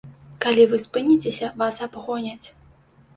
Калі вы спыніцеся, вас абгоняць.